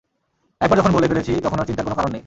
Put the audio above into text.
একবার যখন বলে ফেলেছি তখন আর চিন্তার কোনো কারণ নেই।